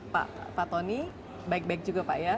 pak fatoni baik baik juga pak ya